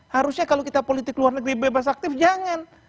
harusnya kalau kita politik luar negeri bebas aktif jangan